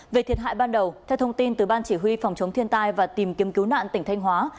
về thiệt hại ban đầu theo thông tin từ ban chỉ huy phòng chống thiên tai và tìm kiếm cứu nạn tỉnh thanh hóa